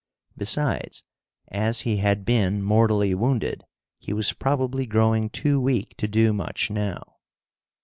Besides, as he had been mortally wounded, he was probably growing too weak to do much now.